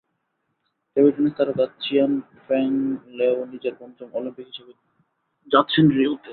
Table tennis তারকা চিয়ান ফ্যাং লেও নিজের পঞ্চম অলিম্পিক হিসেবে যাচ্ছেন রিওতে।